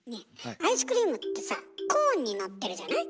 アイスクリームってさコーンにのってるじゃない？